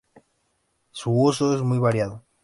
Su uso es muy variado.